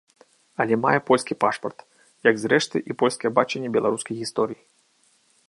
Але мае польскі пашпарт, як, зрэшты, і польскае бачанне беларускай гісторыі.